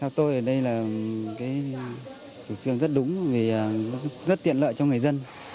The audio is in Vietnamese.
sau tôi ở đây là cái chủ trương rất đúng rất tiện lợi cho người dân